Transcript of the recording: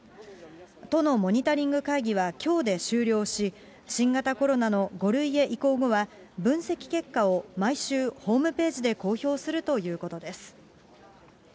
都のモニタリング会議はきょうで終了し、新型コロナの５類へ移行後は、分析結果を毎週、ホームページで公表するということです。